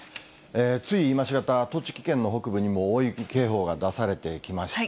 つい今しがた、栃木県の北部にも大雪警報が出されてきました。